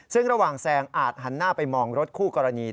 ซึ่งระหว่างแซงอาจหันหน้าไปมองรถคู่กรณี